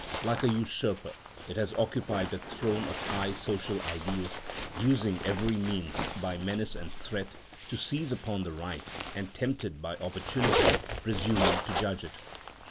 Like a usurper, it has occupied the throne of high social ideals, using every means, by menace and threat, to seize upon the right, and, tempted by opportunity, presuming to judge it.